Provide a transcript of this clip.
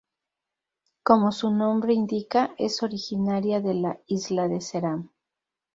Como su nombre indica, es originaria de la isla de Ceram.